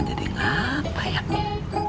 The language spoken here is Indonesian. jadi ngapain ya